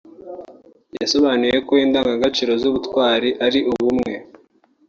yasobanuye ko indangagaciro z’ubutwari ari ubumwe